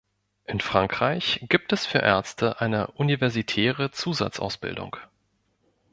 In Frankreich gibt es für Ärzte eine universitäre Zusatzausbildung.